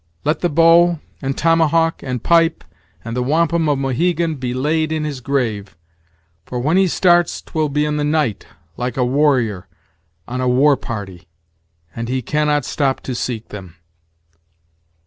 Let the bow, and tomahawk, and pipe, and the wampum of Mohegan he laid in his grave; for when he starts 'twil be in the night, like a warrior on a war party, and he can not stop to seek them."